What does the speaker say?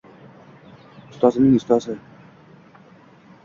Ustozimning ustozi